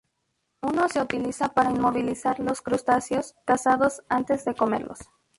Uno se utiliza para inmovilizar los crustáceos cazados antes de comerlos.